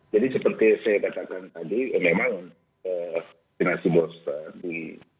jadi seperti saya katakan tadi memang vaksin vaksin booster di